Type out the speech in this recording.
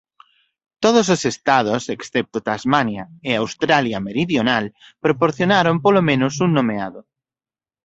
Todos os estados excepto Tasmania e Australia Meridional proporcionaron polo menos un nomeado.